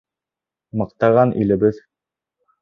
Маҡтаған илебеҙ!